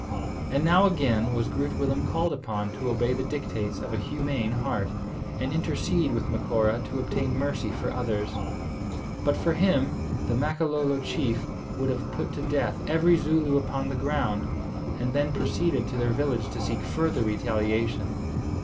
And now again was Groot Willem called upon to obey the dictates of a humane heart, and intercede with Macora to obtain mercy for others. But for him, the Makololo chief would have put to death every Zooloo upon the ground, and then proceeded to their village to seek further retaliation.